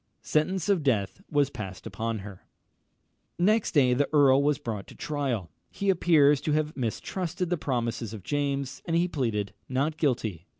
Sentence of death was passed upon her. Next day the earl was brought to trial. He appears to have mistrusted the promises of James, and he pleaded not guilty.